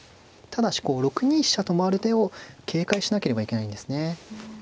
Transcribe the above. ただしこう６二飛車と回る手を警戒しなければいけないんですね。